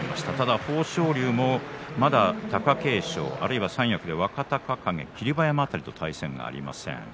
豊昇龍も、まだ貴景勝あるいは三役で若隆景霧馬山辺りと対戦がありません。